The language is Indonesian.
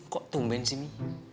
kok tumben sih mi